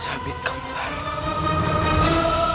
sabit kembar ini